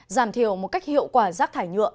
giảm thiểu một cách hiệu quả rác thải nhựa